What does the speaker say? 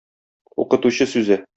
Укытучы сүзе.